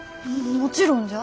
もちろんじゃ。